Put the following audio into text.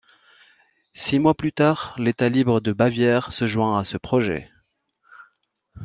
Six mois plus tard, l'état libre de Bavière se joint à ce projet.